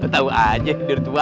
tau aja dari tua